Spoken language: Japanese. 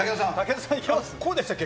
こうでしたっけ？